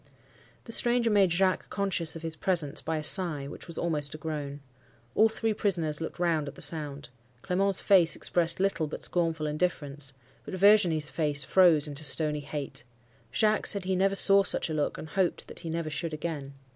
The stranger made Jacques conscious of his presence by a sigh, which was almost a groan. All three prisoners looked round at the sound. Clement's face expressed little but scornful indifference; but Virginie's face froze into stony hate. Jacques said he never saw such a look, and hoped that he never should again.